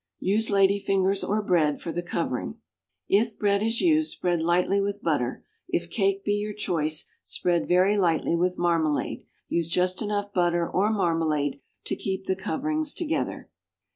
Use lady fingers or bread for the covering. If bread is used, spread lightly with butter; if cake be your choice, spread very lightly with marmalade. Use just enough butter or marmalade to keep the coverings together.